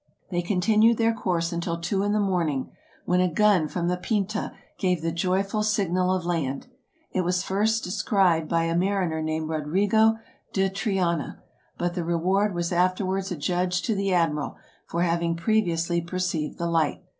They continued their course until two in the morning, when a gun from the '' Pinta '' gave the joyful signal of land. It was first descried by a mariner named Rodrigo de Triana; but the reward was afterwards adjudged to the ad miral, for having previously perceived the light.